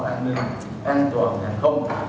an ninh an toàn hàng không